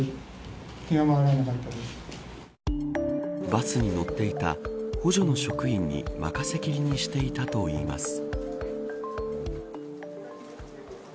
バスに乗っていた補助の職員に任せきりにしていたといいます。